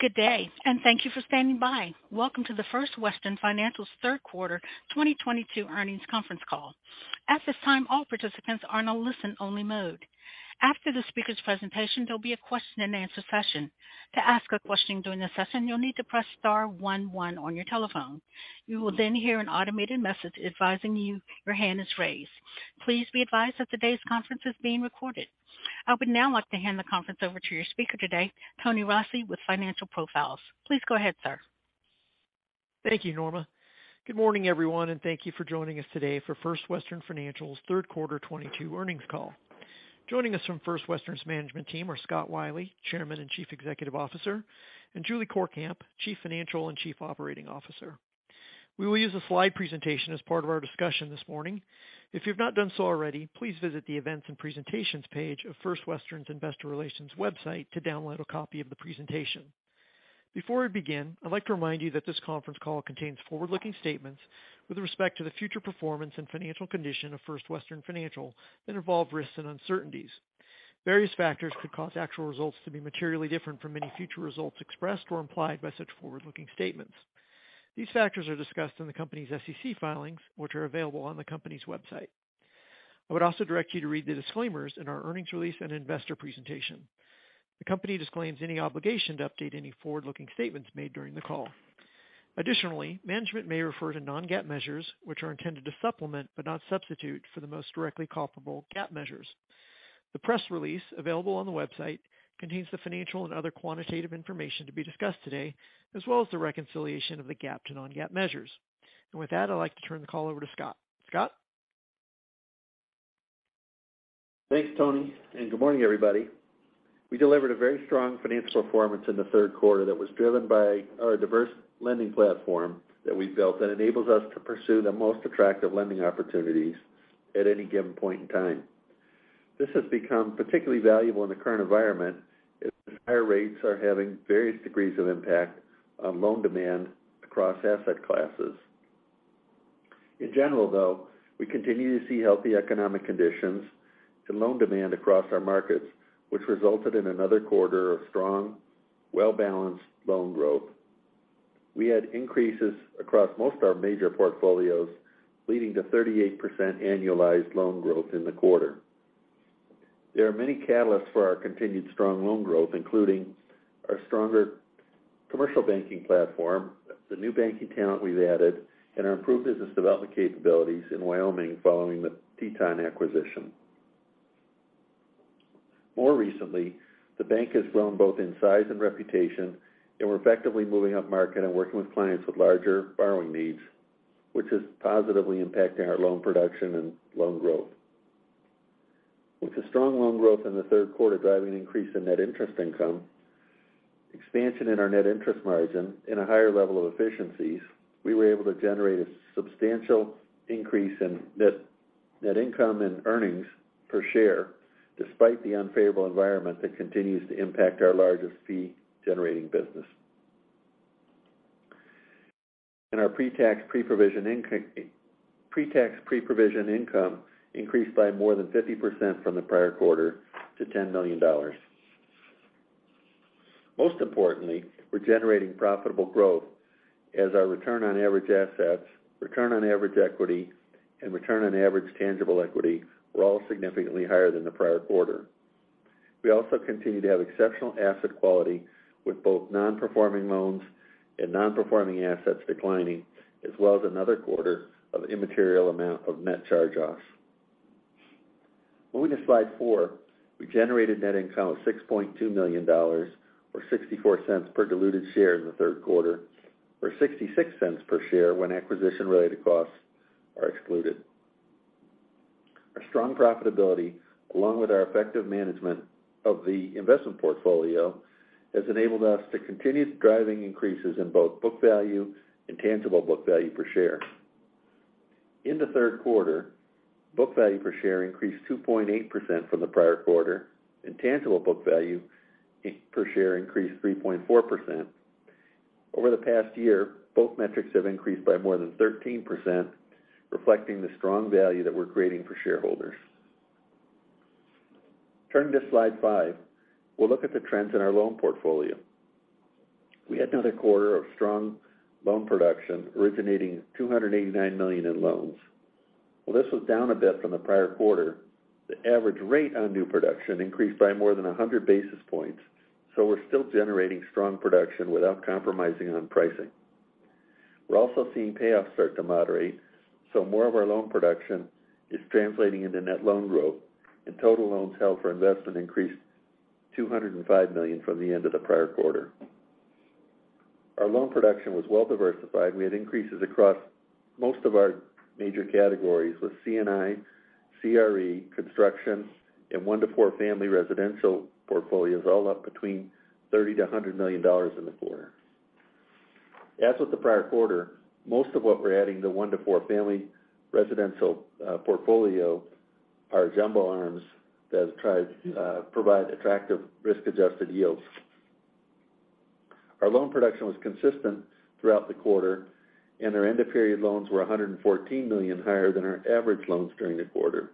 Good day, and thank you for standing by. Welcome to the First Western Financial's Third Quarter 2022 Earnings Conference Call. At this time, all participants are in a listen-only mode. After the speaker's presentation, there'll be a question-and-answer session. To ask a question during the session, you'll need to press star one one on your telephone. You will then hear an automated message advising you your hand is raised. Please be advised that today's conference is being recorded. I would now like to hand the conference over to your speaker today, Tony Rossi with Financial Profiles. Please go ahead, sir. Thank you, Norma. Good morning, everyone, and thank you for joining us today for First Western Financial's third quarter 2022 earnings call. Joining us from First Western's management team are Scott Wylie, Chairman and Chief Executive Officer, and Julie Courkamp, Chief Financial and Chief Operating Officer. We will use a slide presentation as part of our discussion this morning. If you've not done so already, please visit the Events and Presentations page of First Western's Investor Relations website to download a copy of the presentation. Before we begin, I'd like to remind you that this conference call contains forward-looking statements with respect to the future performance and financial condition of First Western Financial that involve risks and uncertainties. Various factors could cause actual results to be materially different from any future results expressed or implied by such forward-looking statements. These factors are discussed in the company's SEC filings, which are available on the company's website. I would also direct you to read the disclaimers in our earnings release and investor presentation. The company disclaims any obligation to update any forward-looking statements made during the call. Additionally, management may refer to non-GAAP measures, which are intended to supplement, but not substitute for the most directly comparable GAAP measures. The press release available on the website contains the financial and other quantitative information to be discussed today, as well as the reconciliation of the GAAP to non-GAAP measures. With that, I'd like to turn the call over to Scott. Scott? Thanks, Tony, and good morning, everybody. We delivered a very strong financial performance in the third quarter that was driven by our diverse lending platform that we built that enables us to pursue the most attractive lending opportunities at any given point in time. This has become particularly valuable in the current environment as higher rates are having various degrees of impact on loan demand across asset classes. In general, though, we continue to see healthy economic conditions and loan demand across our markets, which resulted in another quarter of strong, well-balanced loan growth. We had increases across most of our major portfolios, leading to 38% annualized loan growth in the quarter. There are many catalysts for our continued strong loan growth, including our stronger commercial banking platform, the new banking talent we've added, and our improved business development capabilities in Wyoming following the Teton acquisition. More recently, the bank has grown both in size and reputation, and we're effectively moving up market and working with clients with larger borrowing needs, which is positively impacting our loan production and loan growth. With the strong loan growth in the third quarter driving increase in net interest income, expansion in our net interest margin, and a higher level of efficiencies, we were able to generate a substantial increase in net income and earnings per share despite the unfavorable environment that continues to impact our largest fee-generating business. Our pretax pre-provision income increased by more than 50% from the prior quarter to $10 million. Most importantly, we're generating profitable growth as our return on average assets, return on average equity, and return on average tangible equity were all significantly higher than the prior quarter. We also continue to have exceptional asset quality with both non-performing loans and non-performing assets declining, as well as another quarter of immaterial amount of net charge-offs. Moving to slide 4, we generated net income of $6.2 million or $0.64 per diluted share in the third quarter, or $0.66 per share when acquisition-related costs are excluded. Our strong profitability, along with our effective management of the investment portfolio, has enabled us to continue driving increases in both book value and tangible book value per share. In the third quarter, book value per share increased 2.8% from the prior quarter, and tangible book value per share increased 3.4%. Over the past year, both metrics have increased by more than 13%, reflecting the strong value that we're creating for shareholders. Turning to slide 5, we'll look at the trends in our loan portfolio. We had another quarter of strong loan production, originating $289 million in loans. While this was down a bit from the prior quarter, the average rate on new production increased by more than 100 basis points, so we're still generating strong production without compromising on pricing. We're also seeing payoffs start to moderate, so more of our loan production is translating into net loan growth, and total loans held for investment increased $205 million from the end of the prior quarter. Our loan production was well-diversified. We had increases across most of our major categories with C&I, CRE, construction, and one-to-four family residential portfolios all up between $30-$100 million in the quarter. As with the prior quarter, most of what we're adding to 1-4 family residential portfolio are jumbo arms that try to provide attractive risk-adjusted yields. Our loan production was consistent throughout the quarter, and our end of period loans were $114 million higher than our average loans during the quarter.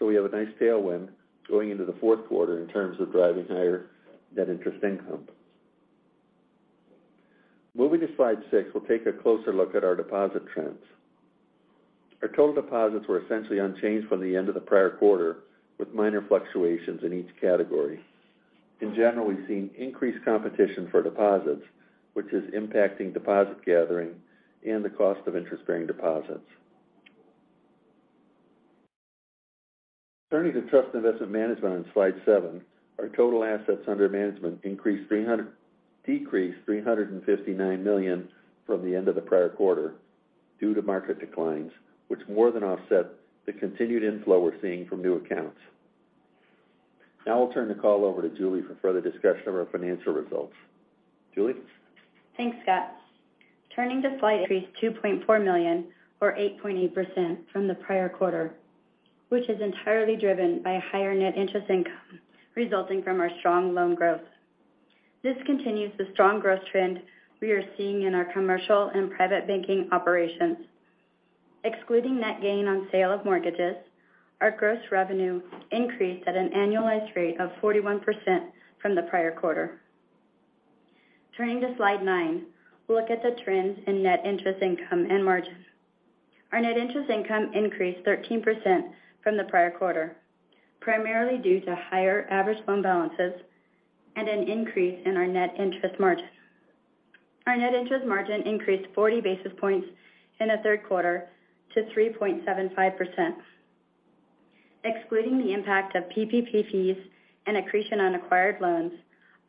We have a nice tailwind going into the fourth quarter in terms of driving higher net interest income. Moving to slide 6, we'll take a closer look at our deposit trends. Our total deposits were essentially unchanged from the end of the prior quarter, with minor fluctuations in each category. In general, we've seen increased competition for deposits, which is impacting deposit gathering and the cost of interest-bearing deposits. Turning to trust investment management on slide 7, our total assets under management decreased $359 million from the end of the prior quarter due to market declines, which more than offset the continued inflow we're seeing from new accounts. Now I'll turn the call over to Julie for further discussion of our financial results. Julie? Thanks, Scott. Turning to slide 3, $2.4 million or 8.8% from the prior quarter, which is entirely driven by higher net interest income resulting from our strong loan growth. This continues the strong growth trend we are seeing in our commercial and private banking operations. Excluding net gain on sale of mortgages, our gross revenue increased at an annualized rate of 41% from the prior quarter. Turning to slide 9, we'll look at the trends in net interest income and margins. Our net interest income increased 13% from the prior quarter, primarily due to higher average loan balances and an increase in our net interest margin. Our net interest margin increased 40 basis points in the third quarter to 3.75%. Excluding the impact of PPPs and accretion on acquired loans,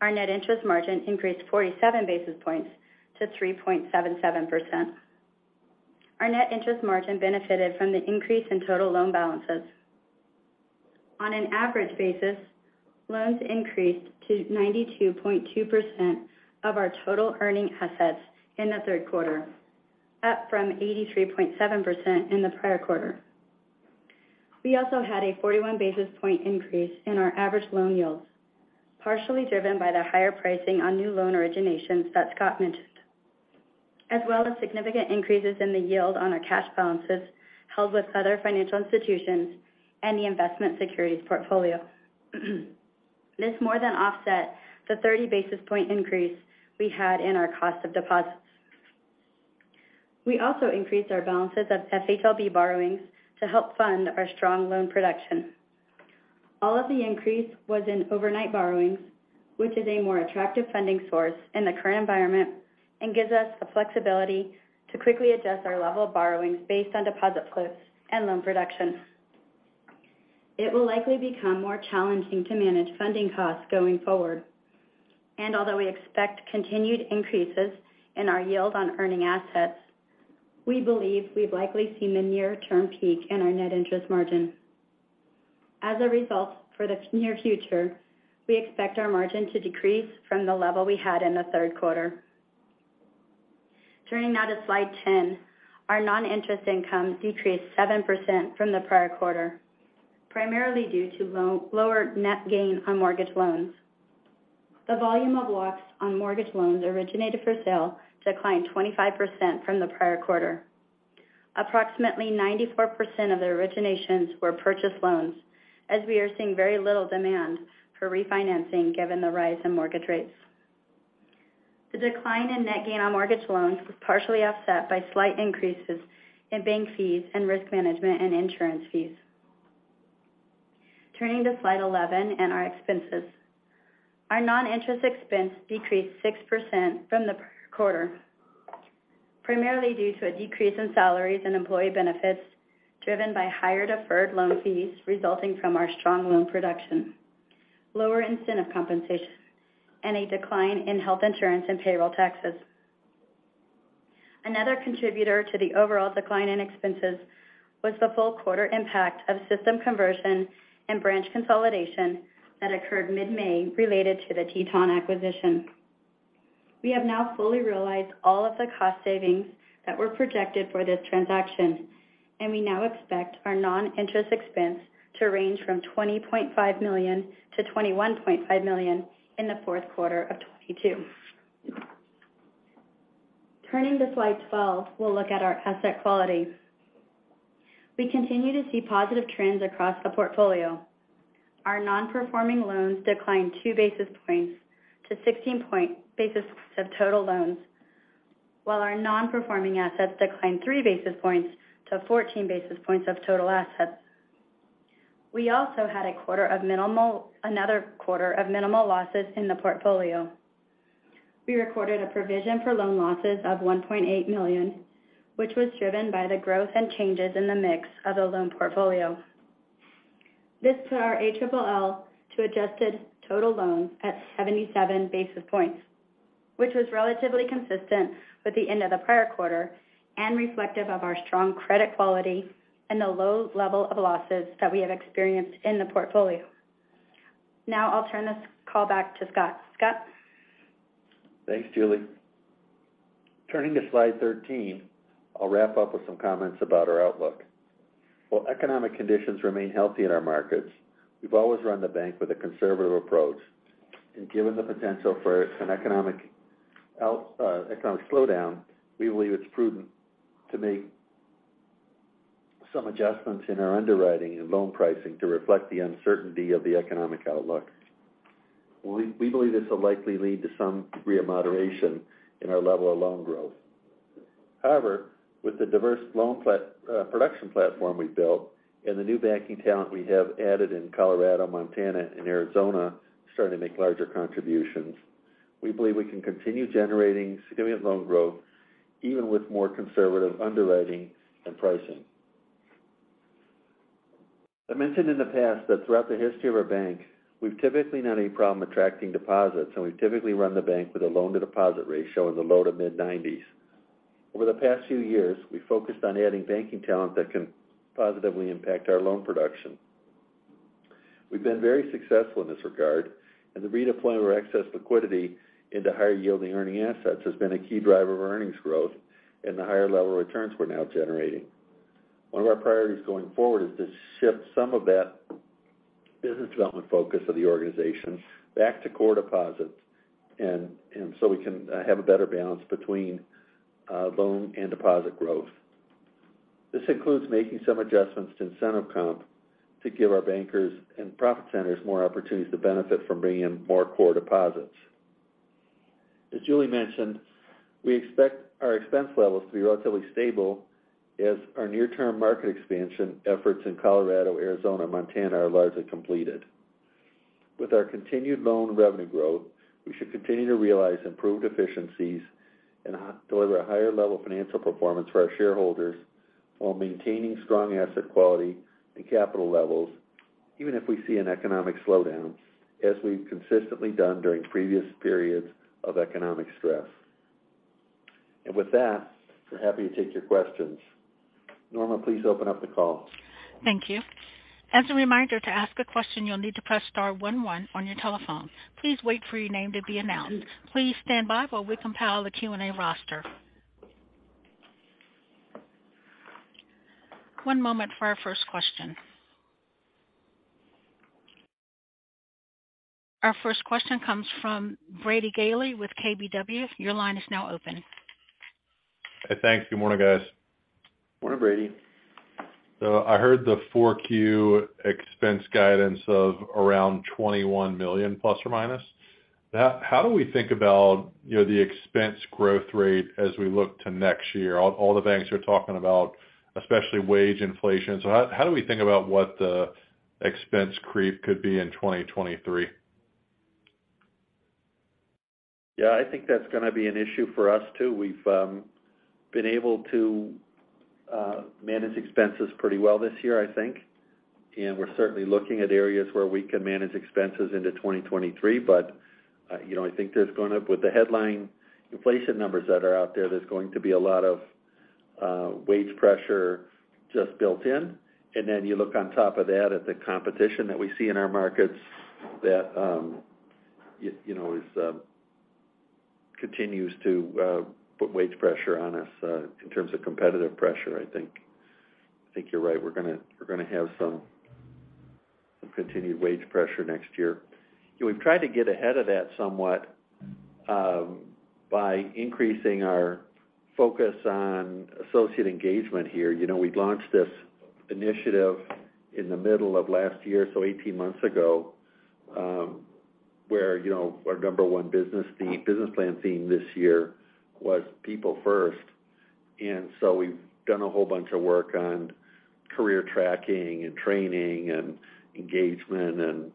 our net interest margin increased 47 basis points to 3.77%. Our net interest margin benefited from the increase in total loan balances. On an average basis, loans increased to 92.2% of our total earning assets in the third quarter, up from 83.7% in the prior quarter. We also had a 41 basis point increase in our average loan yields, partially driven by the higher pricing on new loan originations that Scott mentioned, as well as significant increases in the yield on our cash balances held with other financial institutions and the investment securities portfolio. This more than offset the 30 basis point increase we had in our cost of deposits. We also increased our balances of FHLB borrowings to help fund our strong loan production. All of the increase was in overnight borrowings, which is a more attractive funding source in the current environment and gives us the flexibility to quickly adjust our level of borrowings based on deposit flows and loan production. It will likely become more challenging to manage funding costs going forward. Although we expect continued increases in our yield on earning assets, we believe we've likely seen the near-term peak in our net interest margin. As a result, for the near future, we expect our margin to decrease from the level we had in the third quarter. Turning now to slide 10, our non-interest income decreased 7% from the prior quarter, primarily due to lower net gain on mortgage loans. The volume of sales of mortgage loans originated for sale declined 25% from the prior quarter. Approximately 94% of the originations were purchase loans, as we are seeing very little demand for refinancing given the rise in mortgage rates. The decline in net gain on mortgage loans was partially offset by slight increases in bank fees and risk management and insurance fees. Turning to slide 11 and our expenses. Our non-interest expense decreased 6% from the quarter, primarily due to a decrease in salaries and employee benefits driven by higher deferred loan fees resulting from our strong loan production, lower incentive compensation, and a decline in health insurance and payroll taxes. Another contributor to the overall decline in expenses was the full quarter impact of system conversion and branch consolidation that occurred mid-May related to the Teton acquisition. We have now fully realized all of the cost savings that were projected for this transaction, and we now expect our non-interest expense to range from $20.5 million-$21.5 million in the fourth quarter of 2022. Turning to slide 12, we'll look at our asset quality. We continue to see positive trends across the portfolio. Our non-performing loans declined two basis points to 16 basis points of total loans, while our non-performing assets declined three basis points to 14 basis points of total assets. We also had another quarter of minimal losses in the portfolio. We recorded a provision for loan losses of $1.8 million, which was driven by the growth and changes in the mix of the loan portfolio. This put our ALL to adjusted total loans at 77 basis points, which was relatively consistent with the end of the prior quarter and reflective of our strong credit quality and the low level of losses that we have experienced in the portfolio. Now I'll turn this call back to Scott. Scott? Thanks, Julie. Turning to slide 13, I'll wrap up with some comments about our outlook. While economic conditions remain healthy in our markets, we've always run the bank with a conservative approach, and given the potential for an economic slowdown, we believe it's prudent to make some adjustments in our underwriting and loan pricing to reflect the uncertainty of the economic outlook. We believe this will likely lead to some re-moderation in our level of loan growth. However, with the diverse loan production platform we've built and the new banking talent we have added in Colorado, Montana, and Arizona starting to make larger contributions, we believe we can continue generating significant loan growth even with more conservative underwriting and pricing. I mentioned in the past that throughout the history of our bank, we've typically not had any problem attracting deposits, and we've typically run the bank with a loan-to-deposit ratio in the low- to mid-90s. Over the past few years, we focused on adding banking talent that can positively impact our loan production. We've been very successful in this regard, and the redeployment of our excess liquidity into higher-yielding earning assets has been a key driver of earnings growth and the higher level returns we're now generating. One of our priorities going forward is to shift some of that business development focus of the organization back to core deposits and so we can have a better balance between loan and deposit growth. This includes making some adjustments to incentive comp to give our bankers and profit centers more opportunities to benefit from bringing in more core deposits. As Julie mentioned, we expect our expense levels to be relatively stable as our near-term market expansion efforts in Colorado, Arizona, and Montana are largely completed. With our continued loan revenue growth, we should continue to realize improved efficiencies and deliver a higher level of financial performance for our shareholders while maintaining strong asset quality and capital levels, even if we see an economic slowdown, as we've consistently done during previous periods of economic stress. With that, we're happy to take your questions. Norma, please open up the call. Thank you. As a reminder, to ask a question, you'll need to press star one one on your telephone. Please wait for your name to be announced. Please stand by while we compile the Q&A roster. One moment for our first question. Our first question comes from Brady Gailey with KBW. Your line is now open. Hey, thanks. Good morning, guys. Morning, Brady. I heard the Q4 expense guidance of around $21 million ±. How do we think about, you know, the expense growth rate as we look to next year? All the banks are talking about especially wage inflation. How do we think about what the expense creep could be in 2023? Yeah. I think that's gonna be an issue for us too. We've been able to manage expenses pretty well this year, I think. We're certainly looking at areas where we can manage expenses into 2023. You know, I think with the headline inflation numbers that are out there's going to be a lot of wage pressure just built in. Then you look on top of that at the competition that we see in our markets that, you know, continues to put wage pressure on us in terms of competitive pressure. I think you're right. We're gonna have some continued wage pressure next year. You know, we've tried to get ahead of that somewhat by increasing our focus on associate engagement here. You know, we'd launched this initiative in the middle of last year, so 18 months ago, where, you know, our number one business theme, business plan theme this year was people first. We've done a whole bunch of work on career tracking and training and engagement and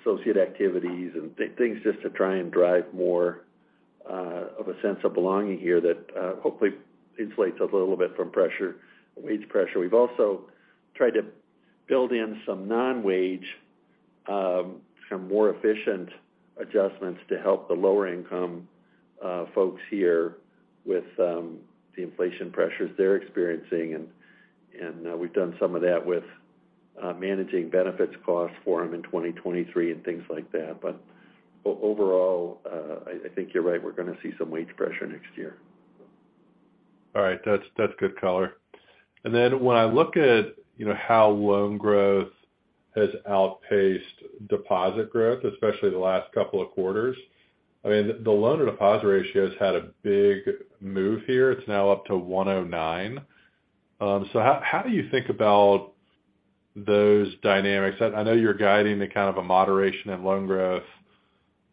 associate activities and things just to try and drive more of a sense of belonging here that hopefully insulates us a little bit from pressure, wage pressure. We've also tried to build in some non-wage, some more efficient adjustments to help the lower income folks here with the inflation pressures they're experiencing. And we've done some of that with managing benefits costs for them in 2023 and things like that. But overall, I think you're right. We're gonna see some wage pressure next year. All right. That's good color. When I look at, you know, how loan growth has outpaced deposit growth, especially the last couple of quarters, I mean, the loan-to-deposit ratio has had a big move here. It's now up to 109. How do you think about those dynamics? I know you're guiding to kind of a moderation in loan growth.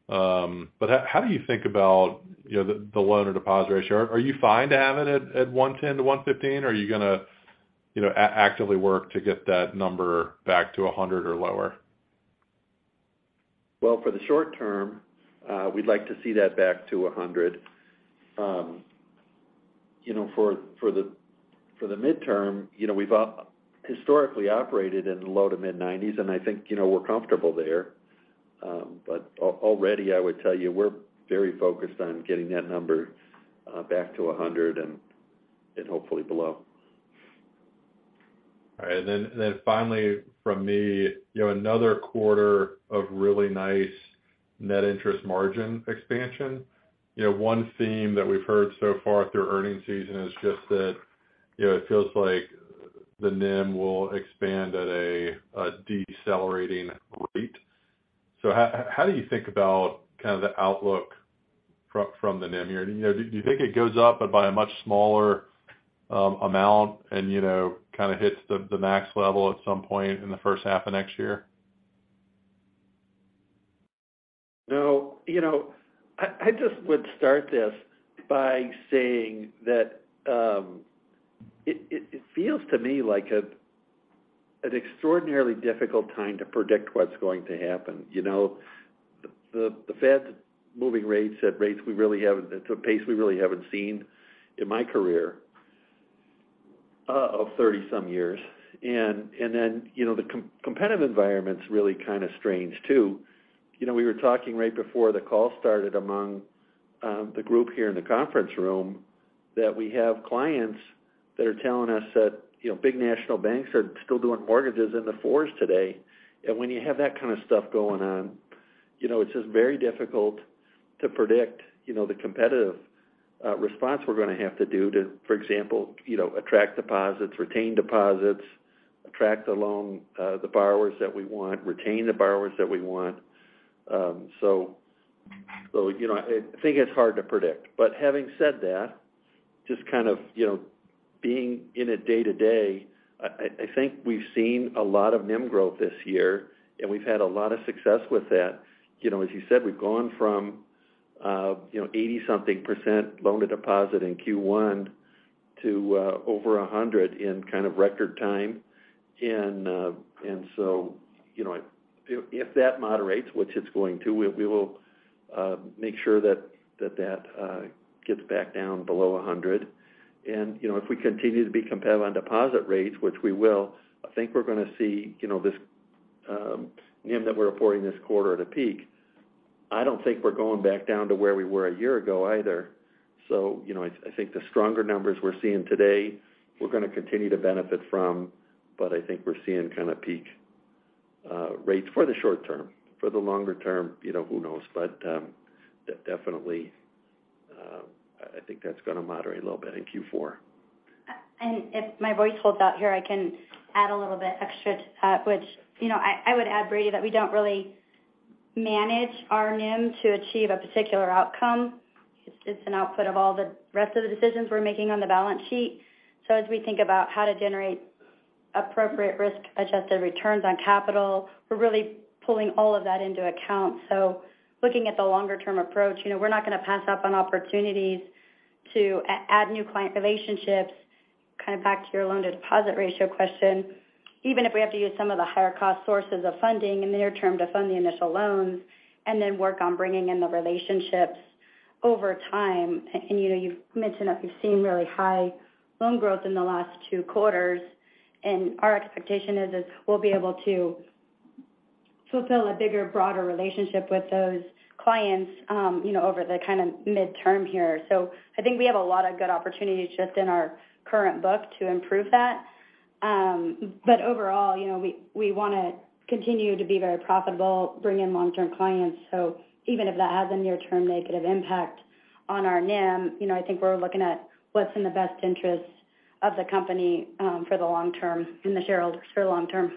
How do you think about, you know, the loan-to-deposit ratio? Are you fine to have it at 110-115? Are you gonna, you know, actively work to get that number back to 100 or lower? Well, for the short term, we'd like to see that back to 100%. You know, for the midterm, you know, we've historically operated in the low- to mid-90s, and I think, you know, we're comfortable there. But already, I would tell you, we're very focused on getting that number back to 100% and hopefully below. All right. Then finally from me, you know, another quarter of really nice net interest margin expansion. You know, one theme that we've heard so far through earnings season is just that, you know, it feels like the NIM will expand at a decelerating rate. How do you think about kind of the outlook from the NIM here? You know, do you think it goes up but by a much smaller amount and, you know, kind of hits the max level at some point in the first half of next year? No. You know, I just would start this by saying that it feels to me like an extraordinarily difficult time to predict what's going to happen. You know, the Fed's moving rates at a pace we really haven't seen in my career of 30-some years. You know, the competitive environment's really kind of strange too. You know, we were talking right before the call started among the group here in the conference room that we have clients that are telling us that big national banks are still doing mortgages in the fours today. When you have that kind of stuff going on, you know, it's just very difficult to predict, you know, the competitive response we're gonna have to do to, for example, you know, attract deposits, retain deposits, attract the loan, the borrowers that we want, retain the borrowers that we want. So, you know, I think we've seen a lot of NIM growth this year, and we've had a lot of success with that. You know, as you said, we've gone from, you know, 80-something% loan to deposit in Q1 to, over 100 in kind of record time. You know, if that moderates, which it's going to, we will make sure that gets back down below 100. You know, if we continue to be competitive on deposit rates, which we will, I think we're gonna see this NIM that we're reporting this quarter at a peak. I don't think we're going back down to where we were a year ago either. You know, I think the stronger numbers we're seeing today, we're gonna continue to benefit from, but I think we're seeing kind of peak rates for the short term. For the longer term, you know, who knows? Definitely, I think that's gonna moderate a little bit in Q4. If my voice holds out here, I can add a little bit extra to that. Which, you know, I would add, Brady, that we don't really manage our NIM to achieve a particular outcome. It's an output of all the rest of the decisions we're making on the balance sheet. As we think about how to generate appropriate risk-adjusted returns on capital, we're really pulling all of that into account. Looking at the longer term approach, you know, we're not gonna pass up on opportunities to add new client relationships, kind of back to your loan to deposit ratio question, even if we have to use some of the higher cost sources of funding in the near term to fund the initial loans and then work on bringing in the relationships over time. You know, you've mentioned that we've seen really high loan growth in the last two quarters, and our expectation is we'll be able to fulfill a bigger, broader relationship with those clients, you know, over the kind of midterm here. I think we have a lot of good opportunities just in our current book to improve that. Overall, you know, we wanna continue to be very profitable, bring in long-term clients. Even if that has a near-term negative impact on our NIM, you know, I think we're looking at what's in the best interest of the company, for the long term and the shareholders for the long term.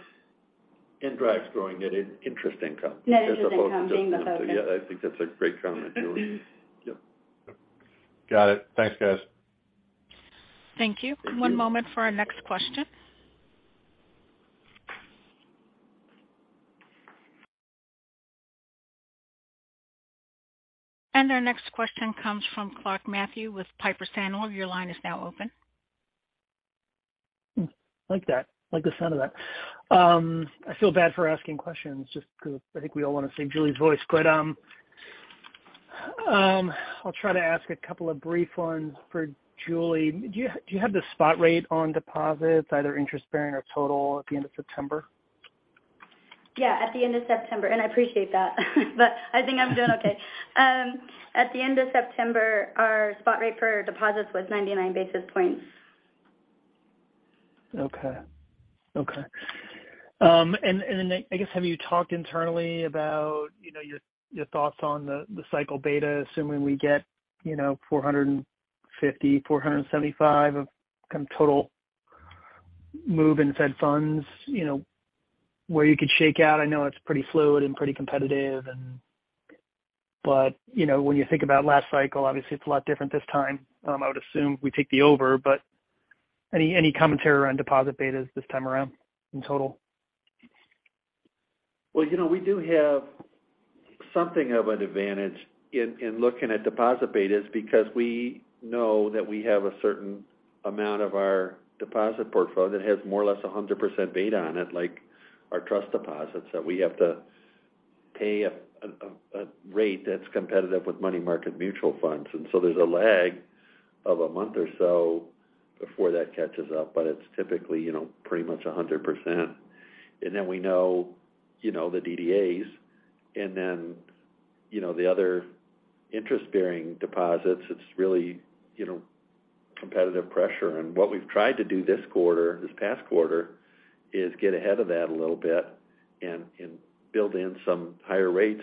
Drives growing net interest income. Net interest income being the focus. Yeah, I think that's a great comment, Julie. Yep. Got it. Thanks, guys. Thank you. Thank you. One moment for our next question. Our next question comes from Matthew Clark with Piper Sandler. Your line is now open. Like that. Like the sound of that. I feel bad for asking questions just 'cause I think we all want to see Julie's voice. I'll try to ask a couple of brief ones for Julie. Do you have the spot rate on deposits, either interest-bearing or total at the end of September? Yeah, at the end of September, and I appreciate that, but I think I'm doing okay. At the end of September, our spot rate for deposits was 99 basis points. I guess, have you talked internally about, you know, your thoughts on the cycle beta, assuming we get, you know, 450-475 of kind of total move in Fed funds, you know, where you could shake out? I know it's pretty fluid and pretty competitive. You know, when you think about last cycle, obviously it's a lot different this time. I would assume we take the over, but any commentary around deposit betas this time around in total? Well, you know, we do have something of an advantage in looking at deposit betas because we know that we have a certain amount of our deposit portfolio that has more or less 100% beta on it, like our trust deposits, that we have to pay a rate that's competitive with money market mutual funds. There's a lag of a month or so before that catches up, but it's typically, you know, pretty much 100%. We know, you know, the DDAs and then, you know, the other interest-bearing deposits. It's really, you know, competitive pressure. What we've tried to do this quarter, this past quarter, is get ahead of that a little bit and build in some higher rates.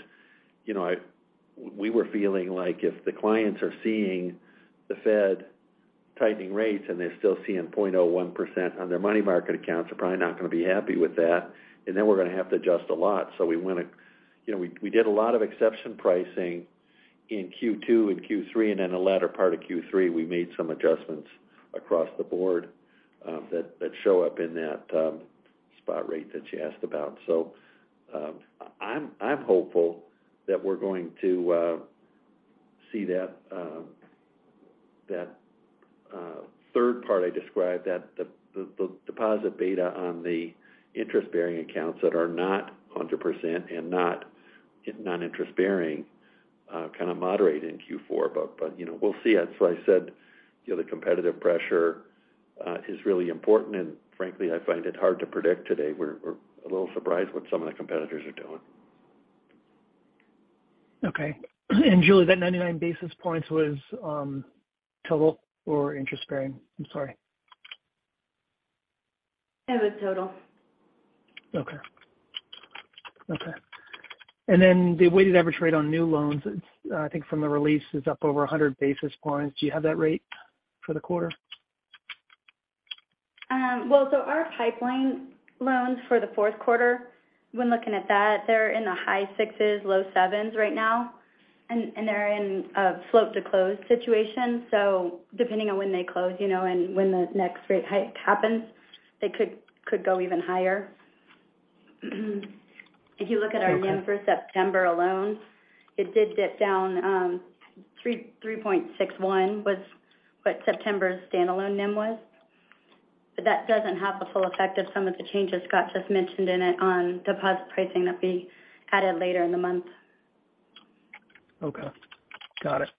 You know, we were feeling like if the clients are seeing the Fed tightening rates and they're still seeing 0.01% on their money market accounts, they're probably not gonna be happy with that. Then we're gonna have to adjust a lot. You know, we did a lot of exception pricing in Q2 and Q3, and then the latter part of Q3, we made some adjustments across the board, that show up in that spot rate that you asked about. I'm hopeful that we're going to see that third part I described, that the deposit beta on the interest-bearing accounts that are not 100% and not non-interest-bearing, kind of moderate in Q4. You know, we'll see. That's why I said, you know, the competitive pressure is really important, and frankly, I find it hard to predict today. We're a little surprised what some of the competitors are doing. Okay. Julie, that 99 basis points was, total or interest bearing? I'm sorry. It was total. Okay. The weighted average rate on new loans, it's, I think from the release, is up over 100 basis points. Do you have that rate for the quarter? Our pipeline loans for the fourth quarter, when looking at that, they're in the high 6s, low 7s right now, and they're in a poised to close situation. Depending on when they close, you know, and when the next rate hike happens, they could go even higher. If you look at our NIM for September alone, it did dip down. 3.61% was what September standalone NIM was. That doesn't have the full effect of some of the changes Scott just mentioned in it on deposit pricing that we added later in the month. Okay. Got it.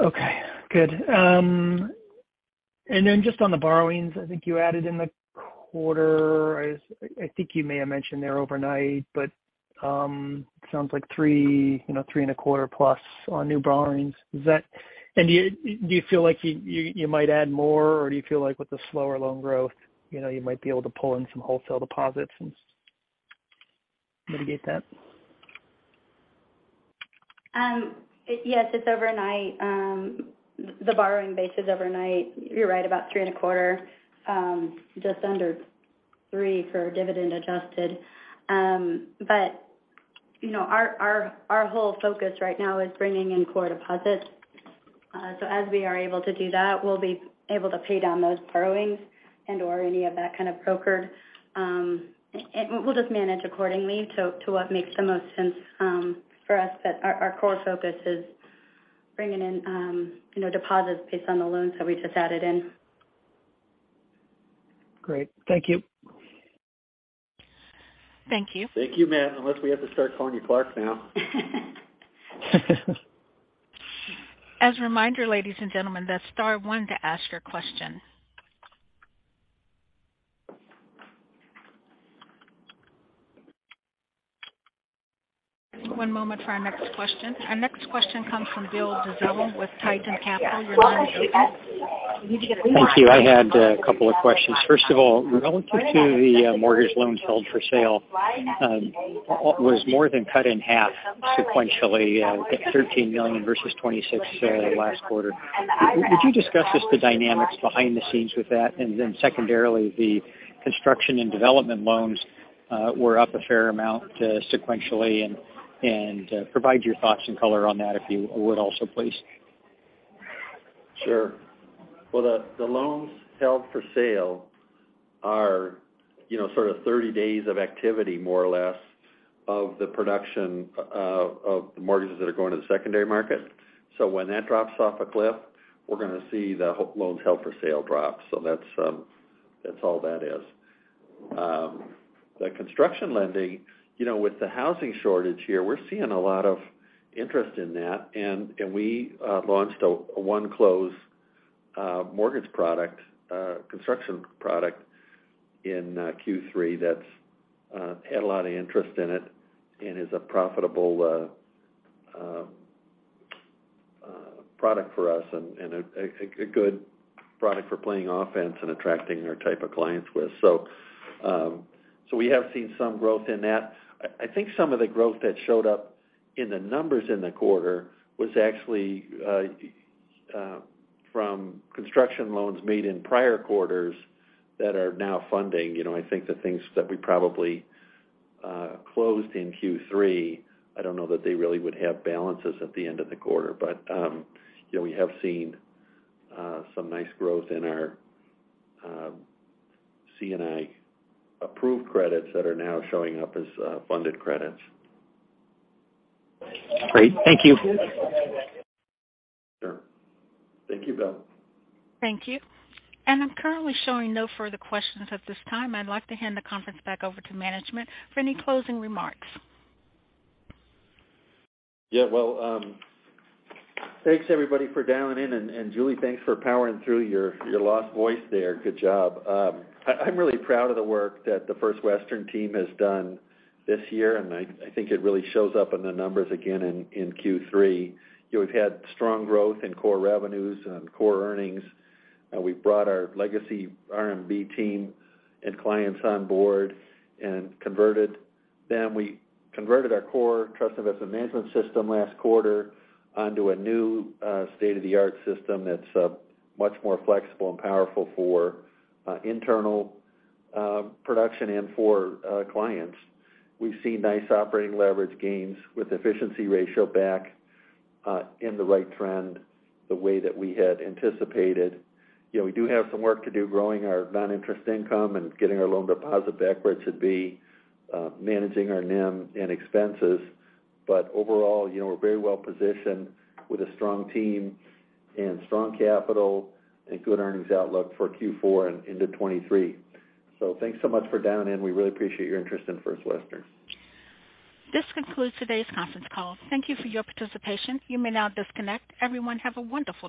Okay, good. Just on the borrowings, I think you added in the quarter, I think you may have mentioned there overnight, but it sounds like 3.25 plus on new borrowings. Is that? Do you feel like you might add more, or do you feel like with the slower loan growth, you know, you might be able to pull in some wholesale deposits and mitigate that? Yes, it's overnight. The borrowing base is overnight. You're right about 3.25%, just under 3% for dividend adjusted. But you know, our whole focus right now is bringing in core deposits. So as we are able to do that, we'll be able to pay down those borrowings and/or any of that kind of brokered. And we'll just manage accordingly to what makes the most sense for us. But our core focus is bringing in you know, deposits based on the loans that we just added in. Great. Thank you. Thank you. Thank you, Matt. Unless we have to start calling you Clark now. As a reminder, ladies and gentlemen, that's star one to ask your question. One moment for our next question. Our next question comes from Bill Dezellem with Tieton Capital. We need to get. Thank you. I had a couple of questions. First of all, relative to the mortgage loans held for sale, was more than cut in half sequentially at $13 million versus $26 million last quarter. Could you discuss just the dynamics behind the scenes with that? Secondarily, the construction and development loans were up a fair amount sequentially, and provide your thoughts and color on that if you would also, please. Sure. Well, the loans held for sale are, you know, sort of 30 days of activity more or less of the production of the mortgages that are going to the secondary market. When that drops off a cliff, we're gonna see the loans held for sale drop. That's all that is. The construction lending, you know, with the housing shortage here, we're seeing a lot of interest in that. We launched a one close mortgage product, construction product in Q3 that's had a lot of interest in it and is a profitable product for us and a good product for playing offense and attracting our type of clients with. We have seen some growth in that. I think some of the growth that showed up in the numbers in the quarter was actually from construction loans made in prior quarters that are now funding. You know, I think the things that we probably closed in Q3, I don't know that they really would have balances at the end of the quarter. You know, we have seen some nice growth in our C&I approved credits that are now showing up as funded credits. Great. Thank you. Sure. Thank you, Bill. Thank you. I'm currently showing no further questions at this time. I'd like to hand the conference back over to management for any closing remarks. Yeah, well, thanks everybody for dialing in. Julie, thanks for powering through your lost voice there. Good job. I'm really proud of the work that the First Western team has done this year, and I think it really shows up in the numbers again in Q3. You know, we've had strong growth in core revenues and core earnings. We've brought our legacy RMB team and clients on board and converted them. We converted our core trust investment management system last quarter onto a new state-of-the-art system that's much more flexible and powerful for internal production and for clients. We've seen nice operating leverage gains with efficiency ratio back in the right trend, the way that we had anticipated. You know, we do have some work to do growing our non-interest income and getting our loan deposit back where it should be, managing our NIM and expenses. Overall, you know, we're very well positioned with a strong team and strong capital and good earnings outlook for Q4 and into 2023. Thanks so much for dialing in. We really appreciate your interest in First Western. This concludes today's conference call. Thank you for your participation. You may now disconnect. Everyone, have a wonderful day.